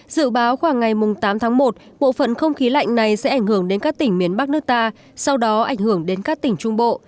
dự báo khoảng ngày tám tháng một bộ phận không khí lạnh này sẽ ảnh hưởng đến các tỉnh miền bắc nước ta sau đó ảnh hưởng đến các tỉnh trung bộ